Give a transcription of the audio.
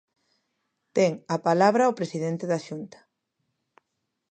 Ten a palabra o presidente da Xunta.